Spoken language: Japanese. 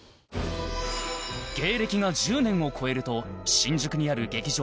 芸歴が１０年を超えると新宿にある劇場